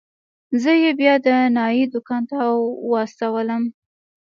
زه يې بيا د نايي دوکان ته واستولم.